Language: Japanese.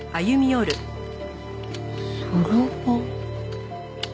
そろばん。